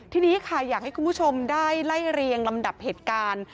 ทีนี้ค่ะอยากให้คุณผู้ชมได้ไล่เรียงลำดับเหตุการณ์